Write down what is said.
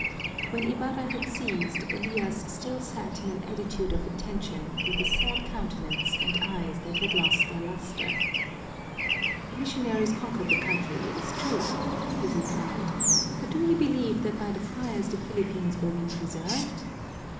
When Ibarra had ceased Elias still sat in an attitude of attention with a sad countenance and eyes that had lost their luster. "The missionaries conquered the country, it is true," he replied, "but do you believe that by the friars the Philippines will be preserved?"